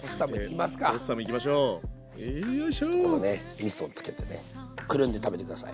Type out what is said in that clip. みそをつけてねくるんで食べて下さい。